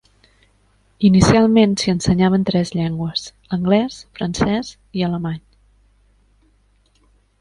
Inicialment s'hi ensenyaven tres llengües -anglès, francès i alemany.